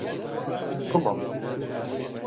گوڵم!